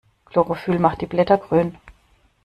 Chlorophyll macht die Blätter grün.